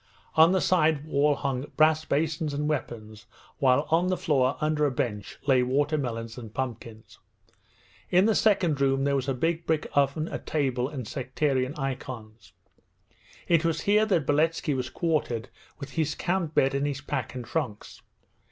On the side wall hung brass basins and weapons, while on the floor, under a bench, lay watermelons and pumpkins. In the second room there was a big brick oven, a table, and sectarian icons. It was here that Beletski was quartered, with his camp bed and his pack and trunks.